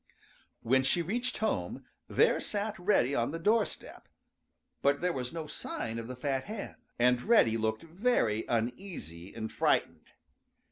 When she reached home, there sat Reddy on the doorstep, but there was no sign of the fat hen, and Reddy looked very uneasy and frightened.